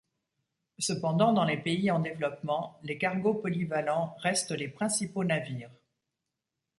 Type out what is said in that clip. Cependant, dans les pays en développement, les cargos polyvalents restent les principaux navires.